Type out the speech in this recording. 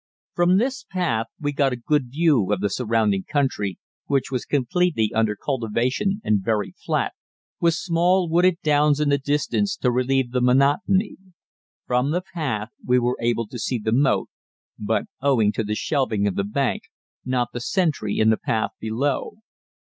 From this path we got a good view of the surrounding country, which was completely under cultivation and very flat, with small wooded downs in the distance to relieve the monotony. From the path, we were able to see the moat, but, owing to the shelving of the bank, not the sentry in the path below.